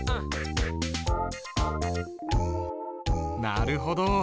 なるほど。